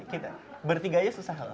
kita bertiga aja susah loh